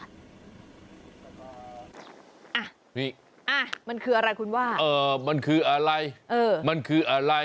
อ่ะนี่มันคืออะไรคุณว่าเออมันคืออะไรเออมันคืออะไร